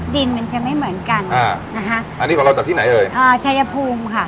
ดินมันจะไม่เหมือนกันอ่านะคะอันนี้ของเราจากที่ไหนเอ่ยอ่าชัยภูมิค่ะ